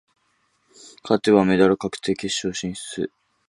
勝てばメダル確定、決勝進出。